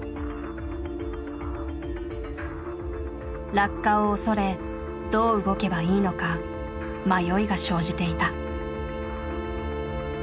落下を恐れどう動けばいいのか迷いが生じていた。